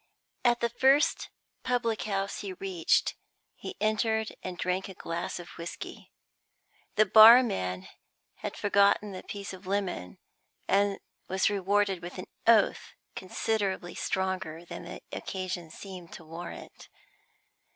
At the first public house he reached he entered and drank a glass of whisky. The barman had forgotten the piece of lemon, and was rewarded with an oath considerably stronger than the occasion seemed to warrant.